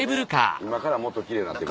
今からもっと奇麗になってくる。